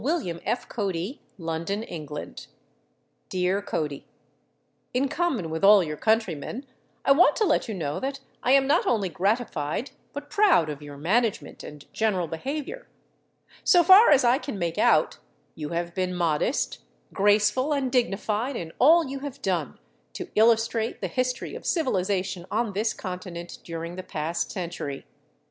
WM. F. CODY, London, England. DEAR CODY: In common with all your countrymen, I want to let you know that I am not only gratified, but proud of your management and general behavior; so far as I can make out, you have been modest, graceful, and dignified in all you have done to illustrate the history of civilization on this continent during the past century.